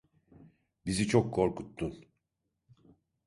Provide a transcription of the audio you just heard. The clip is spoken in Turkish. Bizi çok korkuttun.